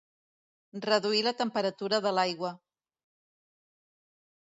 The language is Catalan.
Reduir la temperatura de l'aigua.